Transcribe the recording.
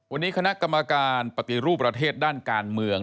วันนี้คณะกรรมการปฏิรูปประเทศด้านการเมือง